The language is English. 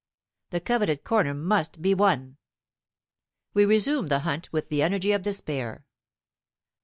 The coveted corner must be won. We resume the hunt with the energy of despair.